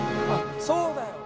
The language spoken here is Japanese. そうだよ！